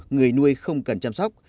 người nuôi không cần chăm sóc